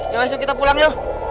yaitu kita pulangnya